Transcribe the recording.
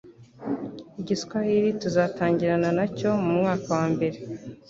igi swahili tuzatangirana na cyo mu mwaka wa mbere